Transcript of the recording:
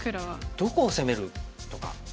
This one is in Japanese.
どこを攻めるとか。